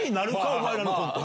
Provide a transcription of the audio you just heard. お前らのコント。